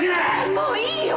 もういいよ！